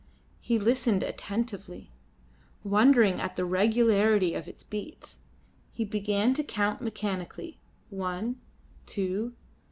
He listened attentively, wondering at the regularity of its beats. He began to count mechanically. One, two.